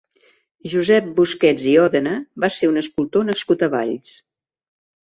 Josep Busquets i Òdena va ser un escultor nascut a Valls.